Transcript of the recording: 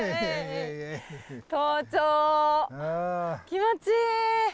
気持ちいい！